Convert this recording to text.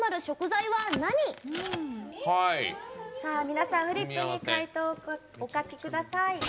皆さん、フリップに解答をお書きください。